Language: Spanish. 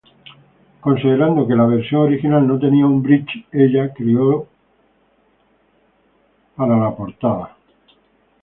Considerando que la versión original no tenía un "bridge", ella creó para la portada.